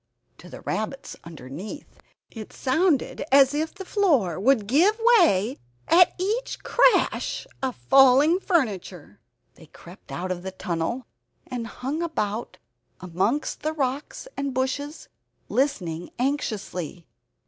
To the rabbits underneath it sounded as if the floor would give way at each crash of falling furniture. They crept out of their tunnel, and hung about amongst the rocks and bushes, listening anxiously.